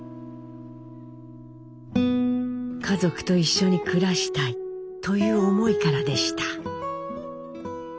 「家族と一緒に暮らしたい」という思いからでした。